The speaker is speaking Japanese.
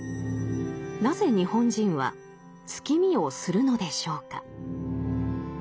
なぜ日本人は月見をするのでしょうか。